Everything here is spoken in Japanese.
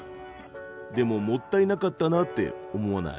でももったいなかったなって思わない？